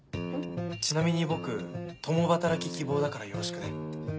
ちなみに僕共働き希望だからよろしくね。